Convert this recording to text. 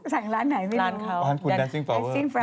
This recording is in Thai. สั่งร้านไหนไม่รู้ร้านเขาแดนซิ่งฟราเวอร์